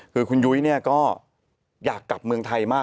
คือคุณยุ้ยก็อยากกลับเมืองไทยมาก